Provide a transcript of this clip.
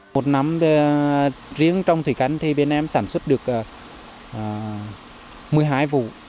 một năm riêng trong thủy canh thì bên em sản xuất được một mươi hai vụ